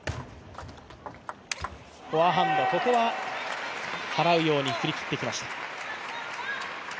フォアハンド、ここは払うように振り切っていきました。